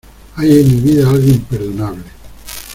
hay en mi vida algo imperdonable.